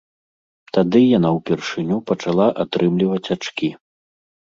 Тады яна ўпершыню пачала атрымліваць ачкі.